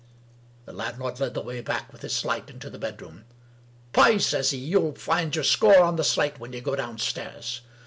The landlord led the way back with his light into the bedroom. " Pay ?" says he. " You'll find your score on the slate when you go downstairs.